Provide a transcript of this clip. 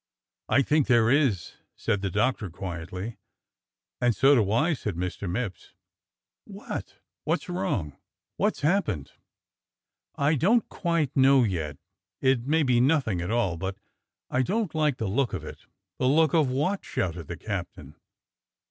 " "I think there is," said the Doctor quietly. "And so do I," said Mr. Mipps. "What? What's wrong? What's happened?" "I don't quite know yet, it may be nothing at all, but I don't like the look of it." "The look of what?" shouted the captain.